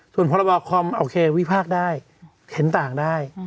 ส่วนพรบคอมโอเควิพากษ์ได้เห็นต่างได้